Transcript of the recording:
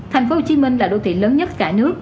thành phố hồ chí minh là đô thị lớn nhất cả nước